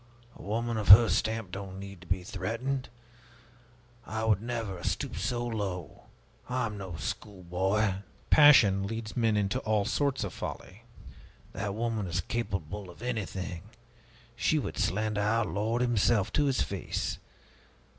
A woman of her stamp doesn't need to be threatened! I would never have stooped so low! I am no schoolboy!" "Passion leads men into all sorts of folly." "That woman is capable of anything! She would slander our Lord himself to His face!